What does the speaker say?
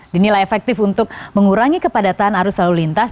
dinilai efektif untuk mengurangi kepadatan arus lalu lintas